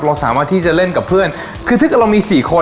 เราสามารถที่จะเล่นกับเพื่อนคือถ้าเกิดเรามีสี่คน